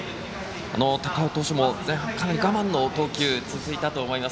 高尾投手も前半、かなり我慢の投球続いたと思います。